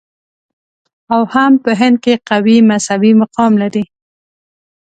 او هم په هند کې قوي مذهبي مقام لري.